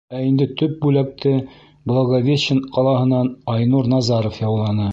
Ә инде төп бүләкте Благовещен ҡалаһынан Айнур Назаров яуланы.